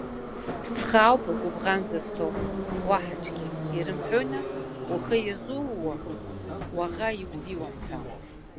Схы ауп гәыбӷан зысҭо, уаҳа аӡәгьы, ирымҳәои, нас, ухы иазууа уаӷа иузиуам ҳәа!